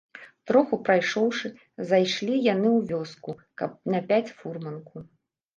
Троху прайшоўшы, зайшлі яны ў вёску, каб напяць фурманку.